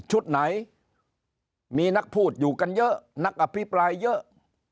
ชุดไหนมีนักพูดอยู่กันเยอะนักอภิปรายเยอะ